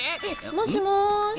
⁉もしもし！